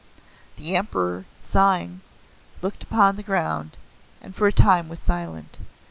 The Emperor, sighing, looked upon the ground, and for a time was silent.